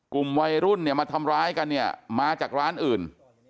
กลุ่มวัยรุ่นเนี่ยมาทำร้ายกันเนี่ยมาจากร้านอื่น